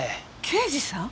刑事さん？